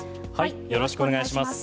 よろしくお願いします。